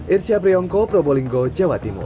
irsyap riongko probolinggo jawa timur